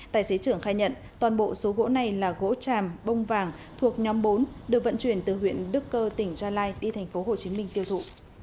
tài xế trưởng khai nhận toàn bộ số gỗ này là gỗ tràm bông vàng thuộc nhóm bốn được vận chuyển từ huyện đức cơ tỉnh gia lai đi thành phố hồ chí minh tiêu thụ